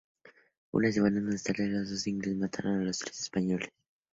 Unas semanas más tarde, los dos ingleses mataron a los tres españoles.